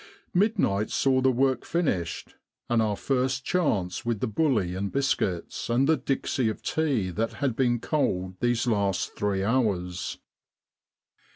Midnight saw the work finished, and our first chance with the bully and biscuits, and the dixie of tea that had been cold these last three hours.